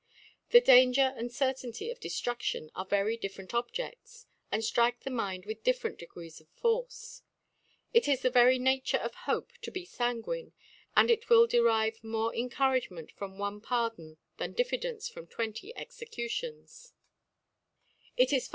The Danger and Certainty of Deftruftioti are very different Objedts, and ftrike the Mind with different Degrees of Force. It is of the very Nature of Hope to be fan guine, and it will derive more Encourage ment from one Pardon, than Diffidence from twenty Executions* * He put his two Sons to Dea^ for confpiring with Tarquin.